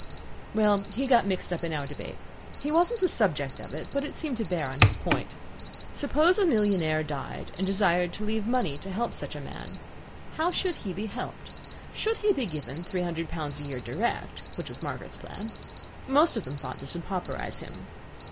Well, he got mixed up in our debate. He wasn't the subject of it, but it seemed to bear on his point. Suppose a millionaire died, and desired to leave money to help such a man. How should he be helped? Should he be given three hundred pounds a year direct, which was Margaret's plan? Most of them thought this would pauperize him.